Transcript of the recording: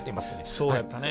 そうやったね。